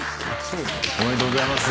おめでとうございます。